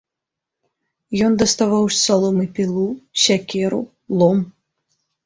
Ён даставаў з саломы пілу, сякеру, лом.